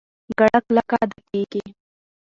ګړه کلکه ادا کېږي.